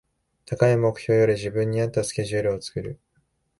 高い目標より自分に合ったスケジュールを作る